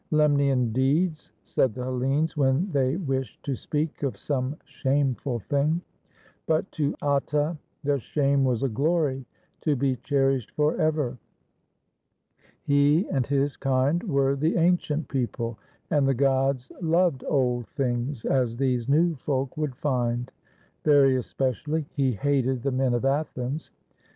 "Lemnian deeds," said the Hellenes, when they wished to speak of some shameful thing; but to Atta the shame was a glory to be cherished forever. He and his kind were the ancient people, and the gods loved old things, as these new folk would find. Very especially he hated the men of Athens.